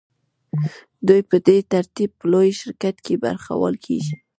دوی په دې ترتیب په لوی شرکت کې برخوال کېږي